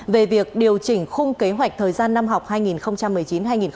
về việc điều chỉnh khung kế hoạch thời gian năm học hai nghìn một mươi chín hai nghìn hai mươi